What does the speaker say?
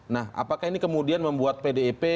nah apakah ini kemudian membuat pdip